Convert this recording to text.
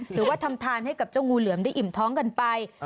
ถือว่าทำทานให้กับเจ้างูเหลือมได้อิ่มท้องกันไป